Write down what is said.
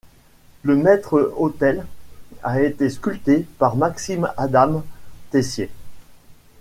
Le maître-autel a été sculpté par Maxime Adam Tessier.